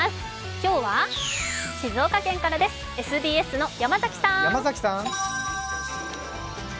今日は静岡県からです、ＳＢＳの山崎さん。